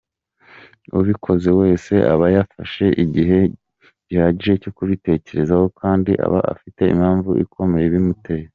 Ubikoze wese aba yafashe igihe gihagije cyo kubitekerezaho kandi aba afite impamvu ikomeye ibimuteye.